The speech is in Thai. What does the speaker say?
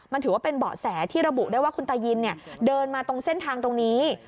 มันถือว่าเป็นเบาะแสที่ระบุได้ว่าคุณตายินเดินมาตรงเส้นทางตรงนี้